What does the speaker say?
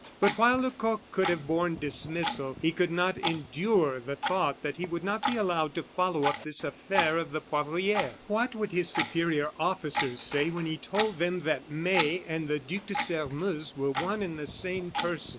But while Lecoq could have borne dismissal, he could not endure the thought that he would not be allowed to follow up this affair of the Poivriere. What would his superior officers say when he told them that May and the Duc de Sairmeuse were one and the same person?